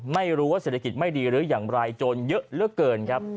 ไม่รู้ว่าเศรษฐกิจไม่ดีหรืออย่างไรโจรเยอะเหลือเกินครับ